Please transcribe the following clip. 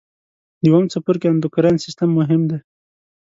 د اووم څپرکي اندورکاین سیستم مهم دی.